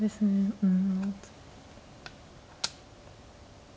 うん。